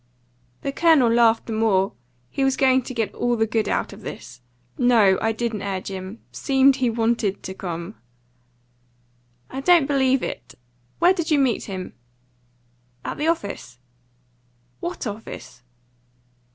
The Colonel laughed the more. He was going to get all the good out of this. "No, I didn't urge him. Seemed to want to come." "I don't believe it. Where did you meet him?" "At the office." "What office?"